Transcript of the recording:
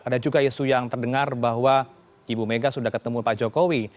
ada juga isu yang terdengar bahwa ibu mega sudah ketemu pak jokowi